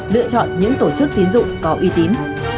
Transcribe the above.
lựa chọn những tổ chức tiến dụng có uy tín